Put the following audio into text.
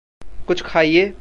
कुछ खाइए।